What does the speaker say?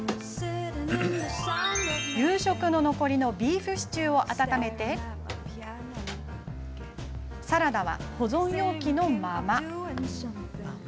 夕食の残りのビーフシチューを温めてサラダは保存容器のまま。